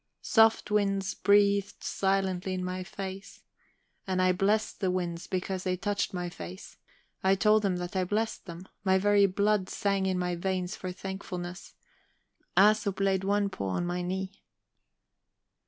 Soft winds breathed silently in my face. And I blessed the winds because they touched my face; I told them that I blessed them; my very blood sang in my veins for thankfulness. Æsop laid one paw on my knee.